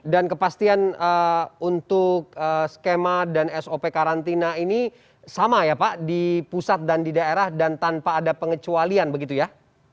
dan kepastian untuk skema dan sop karantina ini sama ya pak di pusat dan di daerah dan tanpa ada pengecualian begitu ya